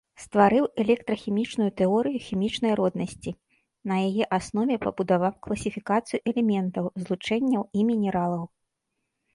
Стварыў электрахімічную тэорыю хімічнай роднасці, на яе аснове пабудаваў класіфікацыю элементаў, злучэнняў і мінералаў.